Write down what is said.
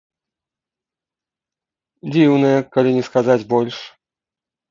Дзіўная, калі не сказаць больш.